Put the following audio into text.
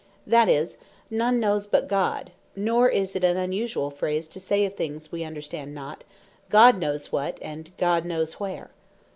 That is, none knows but God; Nor is it an unusuall phrase to say of things we understand not, "God knows what," and "God knows where."